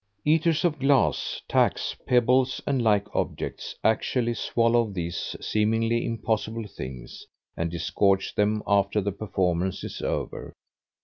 Eaters of glass, tacks, pebbles, and like objects, actually swallow these seemingly impossible things, and disgorge them after the performance is over.